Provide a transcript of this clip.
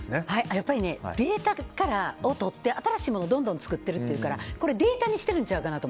やっぱりデータを取って新しいものをどんどん作ってるっていうからデータにしてる人ちゃうかなと。